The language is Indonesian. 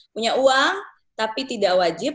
punya uang tapi tidak wajib